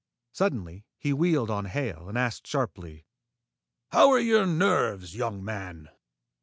Suddenly he wheeled on Hale and asked sharply, "How are your nerves, young man?"